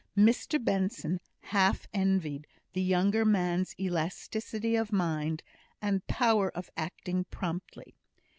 Mr Benson half envied the younger man's elasticity of mind, and power of acting promptly.